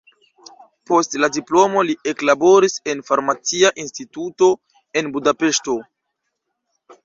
Post la diplomo li eklaboris en farmacia instituto en Budapeŝto.